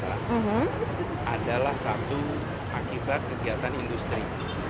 adalah satu akibat kegiatan industri